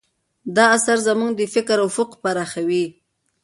دا اثر زموږ د فکر افق پراخوي.